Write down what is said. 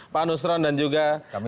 pak nusron dan juga